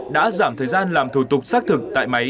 đã giảm thời gian làm thủ tục xác thực tại máy